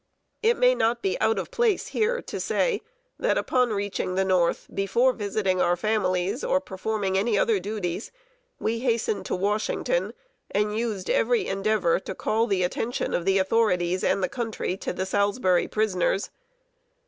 ] It may not be out of place here to say, that upon reaching the North, before visiting our families, or performing any other duties, we hastened to Washington, and used every endeavor to call the attention of the authorities and the country to the Salisbury prisoners.